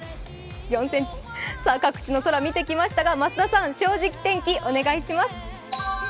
各地の空見てきましたが増田さん、「正直天気」お願いします。